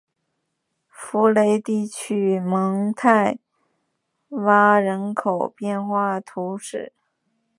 福雷地区蒙泰圭人口变化图示